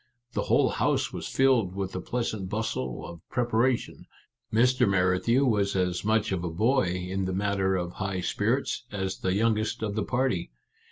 The whole house was filled with the pleasant bustle of preparation. Mr. Merrithew was as much of a boy, in the matter of high spirits, as the youngest of the party.